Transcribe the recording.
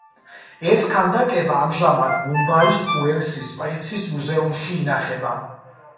ეს ქანდაკება ამჟამად მუმბაის უელსის პრინცის მუზეუმში ინახება.